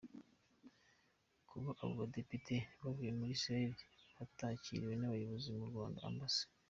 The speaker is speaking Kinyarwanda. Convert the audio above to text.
Kuba abo badepite bavuye muri Israel batarakiriwe n’abayobozi b’u Rwanda; Amb.